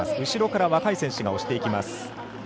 後ろから若い選手が押していきます。